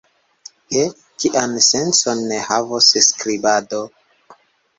He, kian sencon havos skribado!